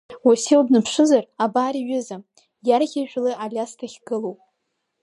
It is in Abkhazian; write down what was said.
Уасил днаԥшызар, абар иҩыза, иарӷьажәҩа Алиас дахьгылоу!